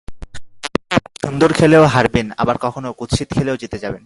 কখনো আপনি সুন্দর খেলেও হারবেন, আবার কখনো কুৎসিত খেলে জিতে যাবেন।